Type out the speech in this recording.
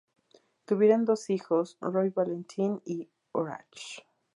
Tuvieron dos hijos, Roy Valentine y Horace.